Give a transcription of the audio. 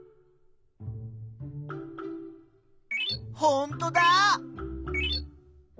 ほんとだ！